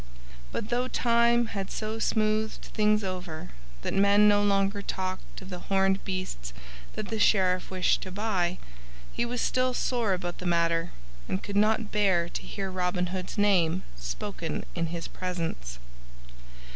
But though time had so smoothed things over that men no longer talked of the horned beasts that the Sheriff wished to buy, he was still sore about the matter and could not bear to hear Robin Hood's name spoken in his presence.